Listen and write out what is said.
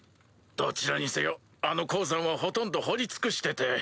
どちらにせよあの鉱山はほとんど掘り尽くしてて。